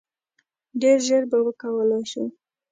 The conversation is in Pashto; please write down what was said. ډیر ژر به وکولای شو.